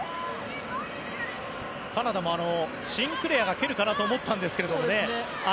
カナダもシンクレアが蹴るかなと思ったんですけどね。